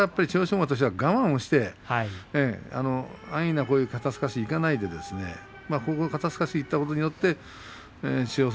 馬としては我慢をして安易な肩すかしにいかないでここ肩すかしにいったことによって千代翔